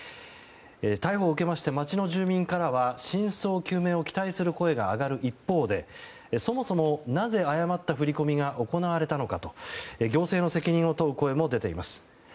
逮捕を受けまして町の住民からは真相究明を期待する声が上がる一方でそもそもなぜ誤った振り込みが行われたのかと行政の責任を問う声も出ています。